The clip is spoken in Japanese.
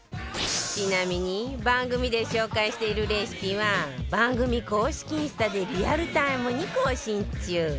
ちなみに番組で紹介しているレシピは番組公式インスタでリアルタイムに更新中